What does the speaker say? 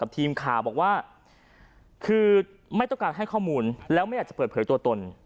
ทีมข่าวบอกว่าคือไม่ต้องการให้ข้อมูลแล้วไม่อยากจะเปิดเผยตัวตน